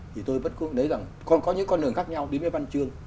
thì tôi vẫn cố gắng để rằng còn có những con đường khác nhau đến với văn chương